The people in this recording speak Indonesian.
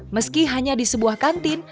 meski hanya di sebuah kantin